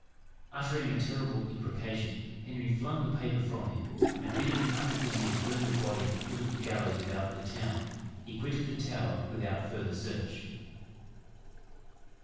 Uttering a terrible imprecation, Henry flung the paper from him; and bidding the arquebusiers burn the body at the foot of the gallows without the town, he quitted the tower without further search.